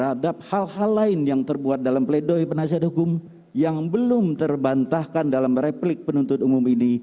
bahwa terhadap hal hal lain yang terbuat dalam pledoy penasihat hukum yang belum terbantahkan dalam pledoy penasihat hukum